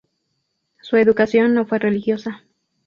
Su educación no fue religiosa.